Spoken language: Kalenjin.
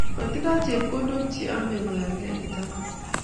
Motindo chepkondok cheyame che kiyalet kitabut